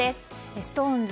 ＳｉｘＴＯＮＥＳ